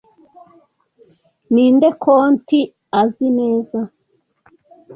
ninde konti azi neza